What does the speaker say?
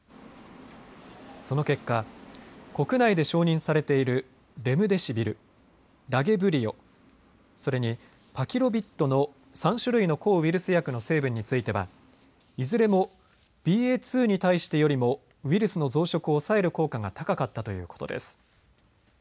その結果、国内で承認されているレムデシビル、ラゲブリオ、それにパキロビッドの３種類の抗ウイルス薬の成分についてはいずれもＢＡ．２に対してよりもウイルスの増殖を抑える効果が高かったということです。